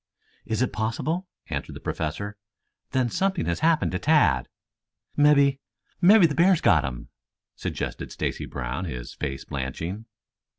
"Is it possible?" answered the Professor. "Then something has happened to Tad." "Mebby mebby the bear's got him," suggested Stacy Brown, his face blanching.